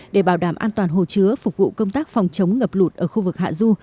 để bảo đảm an toàn hồ chứa phục vụ công tác phòng chống ngập lụt ở khu vực hạ du